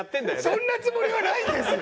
そんなつもりはないんですよ！